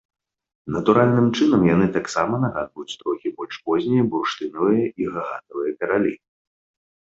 Натуральным чынам яны таксама нагадваюць трохі больш познія бурштынавыя і гагатавыя каралі.